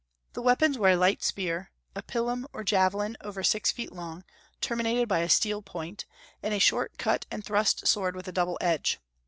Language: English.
The weapons were a light spear, a pilum, or javelin, over six feet long, terminated by a steel point, and a short cut and thrust sword with a double edge.